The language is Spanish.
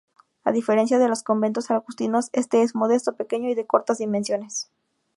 A diferencia de los conventos agustinos este es modesto, pequeño, y de cortas dimensiones.